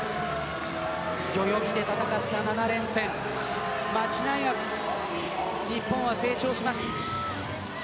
代々木で戦った７連戦間違いなく日本は成長しました。